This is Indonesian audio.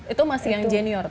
itu masih yang junior